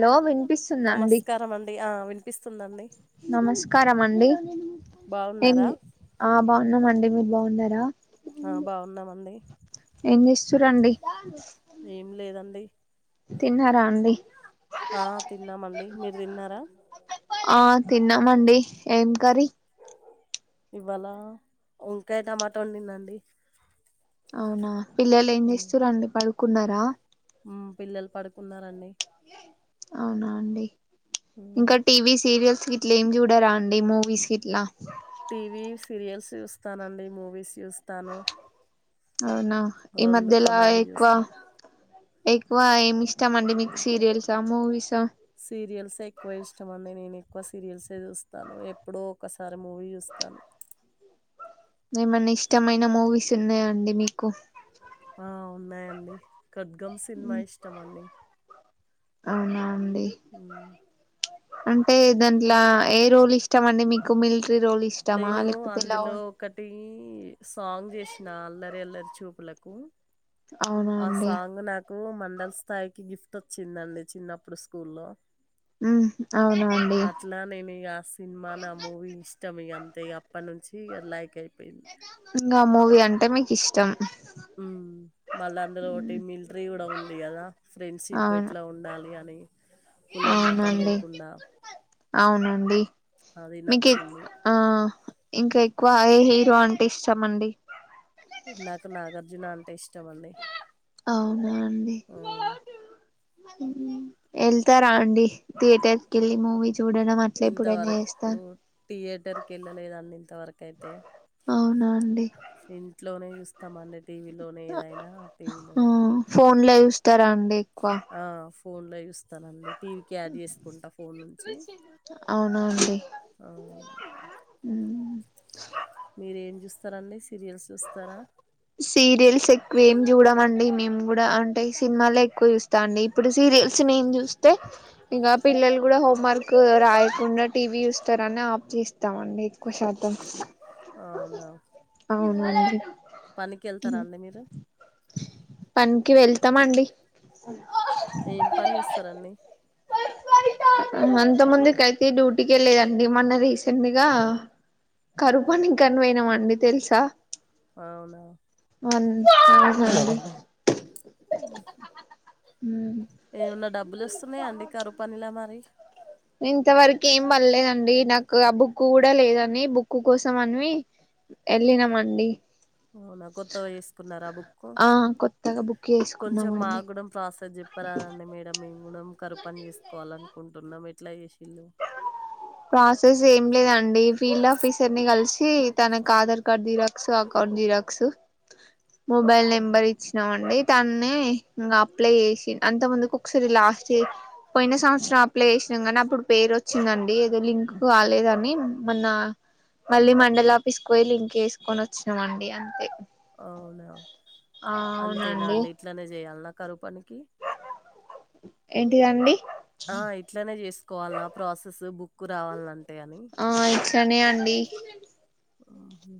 Hello వినిపిస్తుందా అండి నమస్కారమండి ఆ విన్ వినిపిస్తుందండి వండి ఏమి బాగున్నారా ఆ బాగున్నామండి మీరు బాగున్నారా ఆ బాగున్నామండి ఏం చేస్తురండి ఏమి లేదండి తిన్నారా అండి ఆ తిన్నామండి మీరు తిన్నారా ఆ తిన్నామండి ఏం కర్రీ ఇవాళ వంకాయ టమాటా వండింన్నండి అవునా పిల్లోలు ఏం చేస్తర్రండి పడు కున్నారా హ్మ్ పిల్లలు పడుకున్నారండి అవునా అండి మ్మ్ ఇంకా టీవీ సీరియల్స్ ఇట్ల ఏం చూడరాండి మూవీస్ గిట్లా టీవీ సీరియల్స్ చూస్తానండి మూవీస్ చూస్తాను అవునా ఈ రెండు మధ్యలా కమాండ్ ఎక్కువ చూస్తాను ఎక్కువ ఏమి ఇష్టామండి మీకు సీరియల్సా మూవీస్ ఆహ్ సీరియల్సే ఎక్కువ ఇష్టమండి నేను ఎక్కువ సీరియల్సే చూస్తాను ఎప్పుడో ఒకసారి మూవీ చూస్తాను ఏమన్నా ఇష్టమైన మూవీస్ ఉన్నాయండి మీకు ఆ ఉన్నాయండి ఖడ్గం సినిమా ఇష్టం అండి అవునా అం హ్మ్ అంటే దాంట్లో ఏ రోల్ ఇష్టమండి మీకు మిల్టీ నేను అందులో ఒకటి సాంగ్ చేసిన అల్లరి అల్లరి చూపులకు అవునా అండి కు మండల స్థాయికి గిఫ్ట్ వచ్చిందండి చిన్నప్పుడు స్కూల్లో మ్మ్ అవునా అండి అట్లా నేను ఇగ ఆ సినిమా నా మూవీ ఇష్టం ఇగ అం తే ఇగ అప్పటి నుంచి లైక్ ఎ ఇంకా మూవీ అంటే మీకు ఇష్టం హ్మ్ మళ్ళా అందులో ఒకటి మిలిటరీ కూడా ఉంది కదా ఫ్రెండ్షిప్ అవును ఎట్లా ఉండాలి అని కులం మతం అవునండి లేకుండా అవునండి అది మీకేక్ నచ్చింది ఆ ఇంకా ఎ ఎక్కువ ఏ హీరో అంటే ఇస్తామండి నాకు నాగార్జున అం అవునా అండి వెళ్తారా అండి థియేటర్కి వెళ్లి మూవీ చు ఇంతవరకు థియేటర్ కి వెళ్ళలేదండి ఇంతవరకు అయితే అవునా అండి ఇంట్లోనే స్తామ అండి టీవీలోనే ఏదైనా టీవీలోనే [unintelligible] తారా అండి ఎక్కువ ఆ! ఫోన్లో చూస్ స్తానండి టీవీకి యాడ్ చేసుకుంటా ఫోన్ నుంచి అవునా అండి అ మ్మ్ మీరు ఏం చూస్తారండి సీరియల్స్ చూస్తారా సీరియల్స్ ఎక్కువ ఏం జూడమండి మేం గుడా. అంటే సినిమాలే ఎక్కువ చూస్తా అండి, ఇప్పుడు సీరియల్స్ మేం చూస్తే, ఇగ పిల్లలు కూడా హోమ్వర్క్ రాయకుండా టీవీ చూస్తారని ఆఫ్ చేస్తామండి. ఎక్కువ శాతం అవునా మొండి పనికి ఎళ్తారా అండి మీరు త్త మండి ఏం పని చేస్తరండి అమంత ముందుకైతే డ్యూటీకి వెళ్ళేదండి మొన్న రీసెంట్ గా కరు పని కని వోయినాం అండి తెలుసా అవునా [unintelligible] ఏమన్నా డబ్బులు వస్తున్నయా అండి కరువు పనిలా మరి ఇంతవరకీ ఏం పడ్లేదండి నాకు ఆ బుక్కు కూడా లేదని బుక్కు కోసం అన్వి ఎళ్ళినాం అండి అవునా కొత్తగా చేసుకున్నారా బుక్కు. ఆ కొత్తగా బుక్ కొంచెం చేసుకున్నామండి మాగ్గూడం ప్రాసెస్ చెప్పరాదండి మేడం మేం గూడం కరుపని చేసుకోవాలనుకుంటున్నం. ఎ ట్లా చేశ్ ప్రాసెస్ ఏం లేదా అండి ఫీల్డ్ ఆఫీసర్ ని కలిసి తనక్ Aadhaar card xerox, account xerox. Mobile ఆహా! నెంబర్ ఇచ్చినామండి తన్నే ఇంగ అప్లై చేసిన్. అంత ముందుకు ఒకసారి లాస్టే పోయిన సంవత్సరం అప్లై చేసినం గానీ అప్పుడు పేరు వచ్చిందండి ఏదో లింక్ కాలేదని, మన్నా మళ్ళీ మండల్ ఆఫిస్క్ వోయి లింక్ ఏసుకొని వచ్చినమండి అంతే. అవునా, ఆ అంతేనా అవునండి అండి ఇట్లానే చేయాల్నా. కరు పని కి ఏంటిదండి ఆ ఇట్లానే చేసుకోవాలన్నా ప్రాసెస్ బుక్ రావాలంటే అని టని అండి ఊహు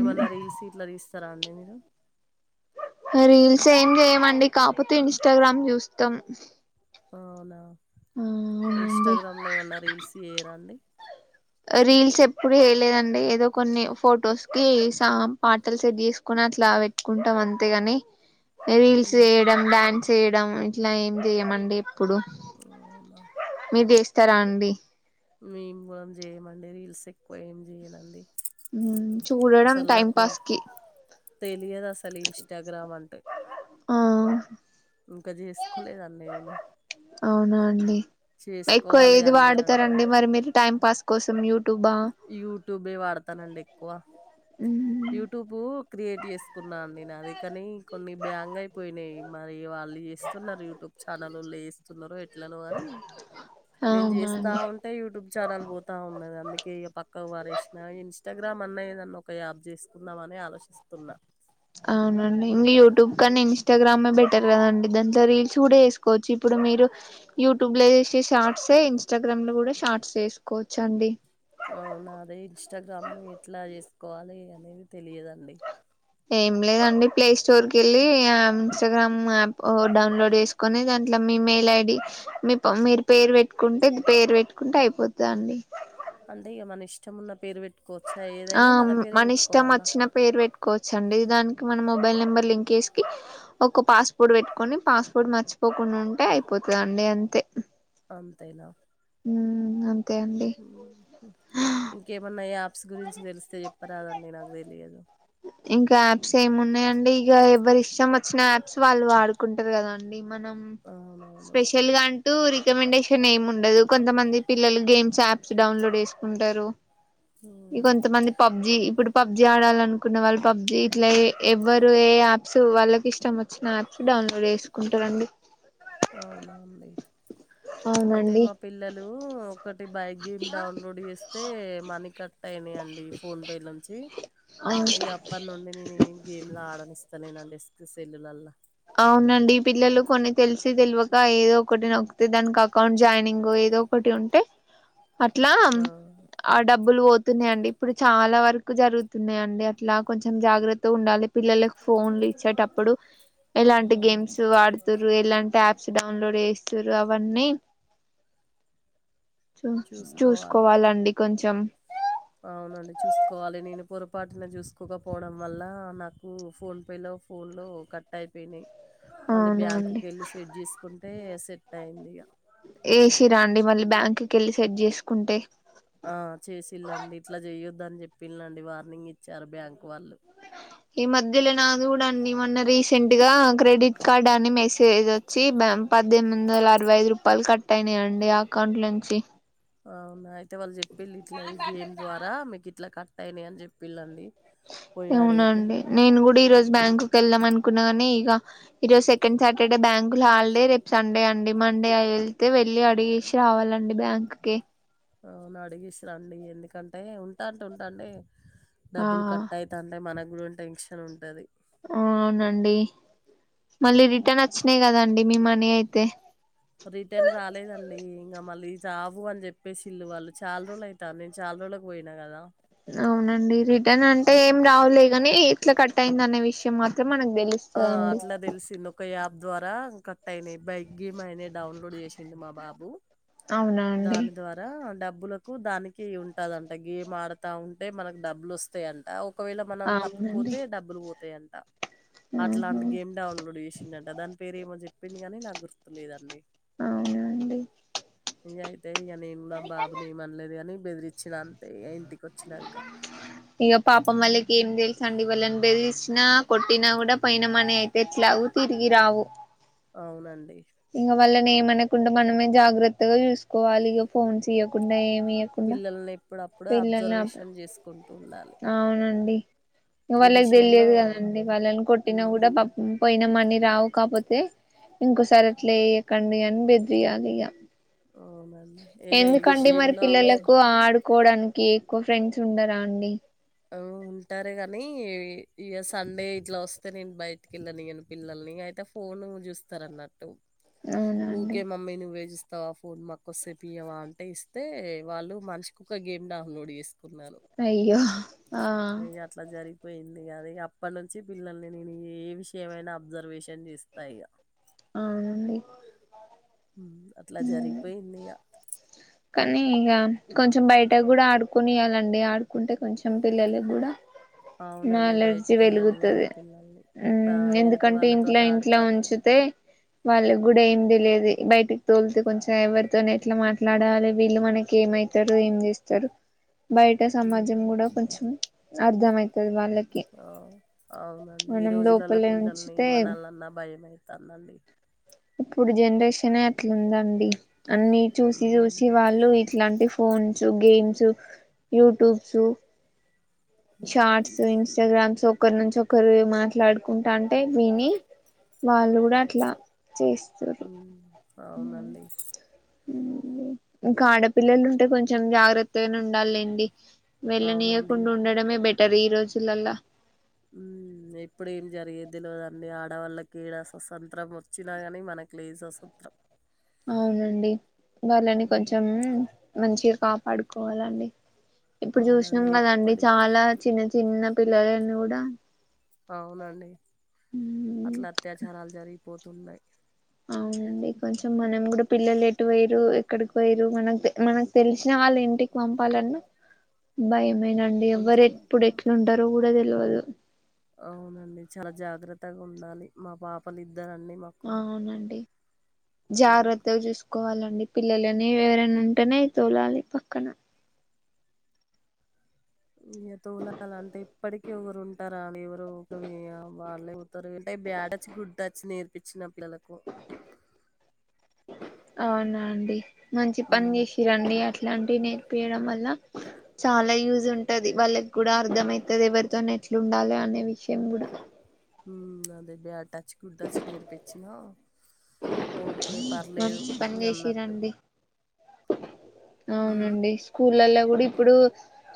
ఏమన్నా రీల్స్ ఇట్ల తీస్ తర అండి మీరు రీల్స్ ఏం జేయమండి కాపోతే ఇన్స్టాగ్రామ్ జూస్తం అవునా అవునండి ఇంస్టాగ్రామ్ లో ఏమన్నా రీల్స్ చేయరా అండి రీల్స్ ఎప్పుడు ఏయలేదండి. ఏదో కొన్ని ఫొటోస్ కి సామ్ పాటల్ సెట్ చేసుకుని అట్లా వెట్టుకుంటాం అంతేగాని. రీల్స్ హుహు. చేయడం, డ్యాన్స్ చేయడం. ఇట్లా ఏం జేయమండి ఎప్పుడు ఓయమ్మా జేస్తారా అండి మేం [inaudible] చెయ్యమండి రీల్స్ ఎక్కువ ఏం చెయ్యనండి ఉమ్ చూడడం టైం పాస్ కి లియదు అసలు ఇంస్టాగ్రామ్ అంటే ఆ ఇంకా చేసుకోలేదండి నేను అవునా అండి ఎక్కువ చేసుకోవాలి ఏది అందరు వాడుతారండి అంటున్నారు మరి మీరు టైం పాస్ కోసం యూ యూట్యూబే వాడతానండి ఎక్కువ యూట్యూబు క్రియేట్ చేసుకున్నా అండి నాది కాని కొన్ని బ్యాంగ్ అయిపోయినాయి మరి వాళ్ళు చేస్తున్నారు యూట్యూబ్ ఛానలొళ్ళు ఏస్తున్నారో ట్లనో కాని నేను అవునా చేస్తా అండి ఉంటే యూట్యూబ్ ఛానల్ పోతా ఉన్నది అందుకే వారేసిన ఇన్స్టాగ్రామ్ అన్నా ఏదన్నా ఒక యాప్ చేసుకుందామా అని ఆలోచిస్తున్నా అవునండి ఇంక యూట్యూబ్ కాన్నా ఇన్స్టాగ్రామే బెటర్ కదండి దాంట్లో రీల్స్ కూడా ఏసుకోవచ్చు ఇప్పుడు మీరు యూట్యూబ్ లో ఏసే షార్ట్సే ఇన్స్టాగ్రామ్ లో కూడా షార్ట్స్ ఏసుకోవచ్చండి అవునాదే ఇంస్టాగ్రామ్ ఎట్లా చేసుకోవాలి అనేది తెలియదండి ఏం లేదండి ప్లే స్టోర్ కెళ్ళి అం ఇంస్టాగ్రామ్ యాప్ డౌన్లోడ్ చేసుకొని దాంట్లో మీ మెయిల్ ఐ డి మీ టైం మీరు పేరు పెట్టుకుంటే పేరు పెట్టుకుంటే అయిపోతుందండి అంటే ఇగ మన ఇష్టమున్న పేరు పెట్ ఆ మన ఇష్టం వచ్చిన పేరు పెట్టుకోవచ్చండి దాని కి మన మొబైల్ నెంబర్ లింకేసికి ఒక పాస్పోర్ట్ పెట్టుకొని పాస్వోర్ట్ మర్చిపోకుండుంటే అయిపోతదండి అంతే అంతేనా ఉమ్ అన్ ఊహూ ఇంకేమన్నా యాప్స్ గురించి తెలిస్తే చెప్ ప్పరాదండి నాకు తెలియదు ఇంకా యాప్స్ ఏమున్నాయండి ఇక ఎవరి ఇష్టం వచ్చిన యాప్స్ వాళ్ళు వాడుకుంటారు కదా అండి మనం అవునవును స్పెషల్ గా అంటూ రి కమెండేషన్ ఏం ఉండదు కొంతమంది పిల్లలు గేమ్స్ యాప్స్ డౌన్లోడ్ చేసుకుంటారు ఇ ఉమ్, కొంతమంది పబ్జి ఇప్పుడు పబ్జి ఆడాలను కున్న వాళ్ళు పబ్జీ ఇట్ల ఏ ఎవ్వరు ఏ యా సు వాళ్ళకి ఇష్టం వచ్చిన యాప్స్ డౌన్లోడ్ చేసుకుంటారండి అవునా అంది అయితే అవునండి మా పిల్లలు ఒక టి బైక్ గేమ్ డౌన్లోడ్ చేస్తే మనీ కట్ అయినాయండి ఫోన్ పే నుంచి అవును ఇగ అప్పటి నుండి నేను ఏం గేమ్ లు ఆడనిస్తలేనండి తి సెల్లులల్లా అవునండి పిల్లలు కొన్ని తెలిసీ తెల్వక ఏదో ఒకటి నొక్తే దానికి అకౌంట్ జాయినింగ్ ఏదో ఒకటి ఉంటే అట్లా ఆ, ఆ డబ్బులు పో తున్నాయండి ఇప్పుడు చాలా వరకు జరుగుతున్నాయండి అట్లా కొంచెం జాగ్రత్త ఉండాలి పిల్లలకు ఫోన్లు ఇచ్చేటప్పుడు ఎలాంటి ఆ, గేమ్స్ ఆడుతుర్రు ఎలాంటి యాప్స్ డౌన్లోడే ఇస్తూరు అవన్నీ చూ చూసుకోవాలి చూసుకోవాలండి కొంచె చం అవునండి చూసుకోవాలి నేను పొరపాటున చూసుకోకపోవడం వల్ల నాకు ఫోన్ పే లో ఫోన్ లో కట్ అయిపోయినాయి మళ్ళీ బ్యాంక్కి అవునండి వెళ్ళి సెట్ చేసుకుంటే సెట్ అయింది ఇగా కెలి సెట్ చేసుకుంటే పిల్లండి వార్నింగ్ ఇచ్చారు బ్యాంక్ వాళ్ళు ఈ మధ్యలో నాది కూడా అండి మొన్న రీసెంట్ గా క్రెడిట్ కార్డ్ అని మెసేజ్ వచ్చి పద్దెనిమిది వందల అరవై ఐదు రూపాయలు కట్ అయినాయంండి ఆ అకౌంట్ నుంచి అవునా అతే వాళ్ళు చెప్పిళ ఇట్లా ఈ గేమ్ ద్వారా మీకు ఇట్లా కట్ అయినాయి అని చెప్పిళండి అవునండి నేను కూడా ఈరోోజు హ్మ్. బ్యాంకు వెళ్ళాం అను నుకున్నా గాని ఇక ఈరోోజు సెకండ్ సాటర్డే బ్యాంకులు హాలిడే రేపు సండే అండి మండే వెళ్తే వెళ్ళి అడిగేసి రావాలండి బ్యాంక్ కి అవును అడిగిసి రండి ఎందుకంటే ఉంటంటే ఉంటాంటె ఆ డబ్బులు కట్ అయిటాంటె మన ఇప్పుడు టెన్షన్ ఉంటది అవునండి మళ్ళీ రిటర్న్ వచ్చినాయి్ కదాండి మీ మనీ అయితే రిటర్న్ రాలేదండి ఇంకా మళ్ళీ రావు అని చెప్పేసి ఇల్లు వాళ్ళు చాలా రోజులు అవుతారు నేను చాలా రోజులలకు పోయినా కదా అవునండి రిటర్న్ ఆ అంటే ఏం రావలే కానీ ఎట్లా కట్ట అయింది అనే విషయం మాత్రం మనకి ఆ అట్లా తెలిసింది ఒక యాప్ ద్వారా కట్ అయినాయి బైక్ గేమ్ అయినే డౌన్లోడ్ చేసి సిండు మా బాబు అవునా అండి దాని ద్వారా డబ్ బ్బులకు దానికి ఉంటదంట గేమ్ ఆడుతా ఉంటే మనకు డబ్బులు వస్తాయంట ఒకవేళ మనం అవునండి తప్పిపోతే డబ్బులు పోతాయ ఆ ఆహా అట్లాంటి గేమ్ డౌన్లోడ్ చేసిండంట దాని పేరేమో చెప్పి గాని నాకు గుర్తు లేదండి అవునండి ఇంగా అంటే నేను నా బాబునీ ఏం అనలేదు గానీ బేదిరీచ్చిన అంతే ఇంటికి వచ్చినంక ఇక పాపం వాళ్ళకి ఏం తేల్ సండి వల్లని బెదిరించిన కొట్టినా కూడా పోయిన మనీ అయితే ఎట్లాగు తిరిగి రావు అవునండి ఇంక వల్లనే ఏమనకుండా మనమే జాగ్రత్తగా చూసుకోవాలి ఇక ఫోన్స్ ఇయకుండా ఏం పిల్లల్ని ఎప్పుడు ఎప్పుడు అబ్జర్వేషన్ చేసుకుంటూ ఉండాలి అండి ఈ వాళ్ళకి విషయంలో తెలియదు కదండి వాళ్ళని కొట్టినా ఉమ్ కూడా పాపం పోయి మని రావు కాపోతే ఇంకోొసారి అట్లేయకండి అని బెదిరియాలి ఇగ అవునండి ఏదో ఈ ఎందుకండి మరి విషయంలో పిల్లలకు అబ్జర్వ్ ఆడుకోవడానికి ఎక్కువ ఫ్రెండ్స్ ఉండరా అండి ఆ ఉంటారు కానీ ఇ సండే ఇట్లా వస్తే నేను బయటికి వెళ్ళనియను పిల్లల్ని అయితే ఫోన్ చూస్తారన్నట్టు అవునా అండి ఊకే మమ్మీ నువ్వే - తవా ఫోన్ మాకు కోసేపు ఇయావా అంటే ఇస్తే వాళ్ళు మనిషి ఒక గేమ్ డౌన్లోడ్ చేస్ అయ్యో ఆ సరిపోయింది అది అప్పటి నుంచి పిల్లల్ని నేను ఏ విషయమైనా అబ్జర్వేషన్ చేస్తా ఇగ అవునండి అట్లా జరిగిపోయింది ఇక కానీ ఇక కొంచెం బయట కూడా ఆడుకొనియ్యాలండి ఆడుకుంటే కొంచెం పిల్లలకి కూడా అవునండి క్నౌలెడ్జ్ బయటికి వెళ్ళనియాలే పేరుగుతది పిల్లల్ని ఆ ఎదుటి ఎందుకంటే ఇంట్లో వాళ్ళతోటి ఇంట్లో ఆడుకుంటే ఉంచితే వాళ్ళ కూడా ఏంది లేదు బయటికి తోలితే కొంచెం ఎవరితో ఎట్లా మాట్ల ట్లాడాలి వీళ్ళు మనకి ఏమవుతారు ఏం చేస్తారు బయట ఉమ్, సమాజం కూడా కొంచెం అర్ధమయితది అవునండి ఈ మనం రోజులలో లోపలే పిల్లల్ని ఉంచితే ఏ మనాలన్నా భయమవుతానండి జనరేషన్ అట్లుందండి అన్ని చూసి మ్మ్ చూసి వాళ్ళు ఇట్లాంటి ఫోన్స్ గేమ్స్ యూట్యూబ్స్ షార్ట్స్ వింగ్స్ ఇస్టాగ్రామ్స్ ఒకరి నుంచి ఒకరు మాట్లాడుకుంటా అంటే విని వాళ్ళు కూడా అట్లా చేస్తారు మ్మ్ అవునండి ఇంకా ఆడపిల్లలు ఉంటే కొంచెం జాగ్రత్తగా ఉండాలిండి వెళ్ళ అవునండి నీయ్యకుండా ఉండ బెటర్ ఈ రోజులలా ఎప్పుడేం జరిగే తెలియదండి ఆడవాళ్ళకిడా స్వతంత్రం వచ్చినా ని మనకు లేదు స్వతంత్రం అవునండి వాళ్ళని ఉమ్. కొంచెం మంచి కాపాడుకోవాలండి ఇప్పుడు చూసినాం అవునండి కదండి ఎప్పటికి చాలా చిన్న చిన్న పిల్లలన్నీ కూడా అవునండి అట్లా అత్యాచారాలు జరిగిపోత్ తున్నాయి అవునండి కొంచెం మనం కూడా పిల్లలు ఎటు పొయ్యిర్రు ఎక్కడికి పోయరు మనకు మనకు తెలిసిన వాళ్ళు ఇంటికి పంపాలన్నా భయం మే నండి కొంచెం ఎవ్వరు ఎప్పుడు ఎట్లు ఉంటారో కూడా ల వాళ్ళు అవునండి చాలా జాగ్రత్తగా ఉండాలి మా పాపలుద్ద అవునండి ఉమ్, జాగ్రత్తగా చూసుకోవాలండి పిల్లలని ఎవరైనా ఉంటేనే తోలాలి పక్కన ఇగ తొలాలంటే ఇప్పటికి ఎవరు ఉంటారా ఎవరు కమయా బహర్లే తరయి బ్యాడ వచ్చి గు టచ్ నేర్పించినప్పు పిల్లలకు ఇ మంచి పని ఉమ్ చేసిరండి అట్లాంటి నే వేయడం వల్ల చాలా యూజ్ ఉంటది వాళ్ళకి కూడా అర్థం అయితది ఎవరితోన ఎట్లు ఉండాలి అనే విషయం కూడా మ్మ్ అదే బేట చ్చి గుడ్డచ్చటరిపచ్చినా ఓకే పర్లేదు మంచి పని అని అన్నట్టు చేసిరండి ఉమ్ అవునండి స్కూలల్లో కూడా ఇప్పుడు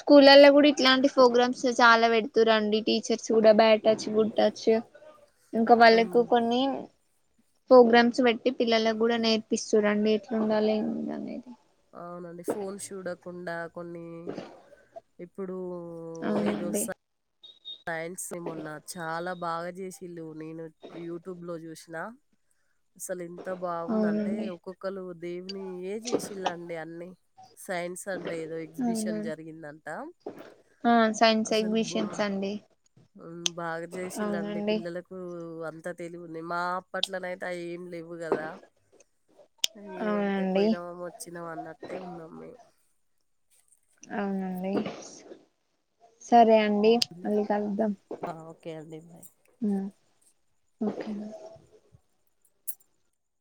స్కూలల్లో కూడా ఇట్లాంటి ప్రోగ్రామ్స్ చాలా పెడుతారండి టీచర్స్ కూడా బ్యాడ్ టచ్ గుడ్ టచ్ ఇంకా వాళ్ళకు ఉమ్ కొన్ని ప్రోగ్రామ్స్ పెట్ పిల్లలకు కూడా నేర్పిస్తు చూడండి ఎట్లు ఉండాలి ఏం అనేది అవునండి ఫోన్స్ చూడకుండా కొన్ని ఇప్పుడు ఏదో అవునండి సైన్స్ నీ మొన్న చాలా బాగా చేసింది నేను యూట్యూబ్ లో చూసిన అసలు ఇంత బాగుందంటే అవునండి ఒక్కొక్కలు దేన్నీ ఏ చేసిలా అండి అన్ని సైన్స్ అంటే ఏదో అవునా ఎగ్జిబిషన్ జరిగిందంట ఆ సైన్స్ అసలు బా ఎగ్జిబిషన్స్ అండి మ్మ్ బాగా చేసిళ్ళు [unintelligible] అవునండి పిల్లలకు అ త తెలివుంది మా అప్పట్లో అయితే ఆ ఏం లేవు కదా అ ఏమంటే అవునండి పోయినా మ వచ్చినామ అన్నట్టే ఉన్నాం మేము ండి సరే అండి మేము మళ్ళీ కలుద్దాం ఆ ఓకే అండి బాయ్